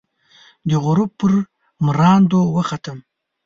د غروب پر مراندو، وختم